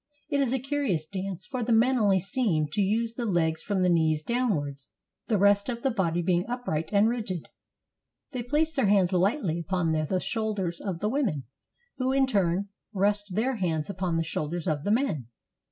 It is a curious dance, for the men only seem to use the legs from the knees downwards,, the rest of the body being upright and rigid. They place their hands lightly upon the shoulders of the women, who in turn rest their hands upon the shoulders of the men.